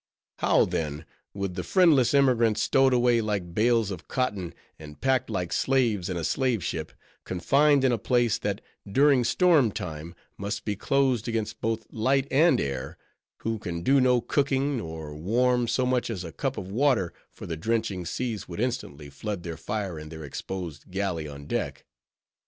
How, then, with the friendless emigrants, stowed away like bales of cotton, and packed like slaves in a slave ship; confined in a place that, during storm time, must be closed against both light and air; who can do no cooking, nor warm so much as a cup of water; for the drenching seas would instantly flood their fire in their exposed galley on deck?